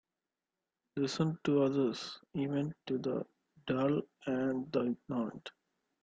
Listen to others, even to the dull and the ignorant